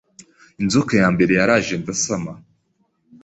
Inzoka ya mbere yaraje ndasama,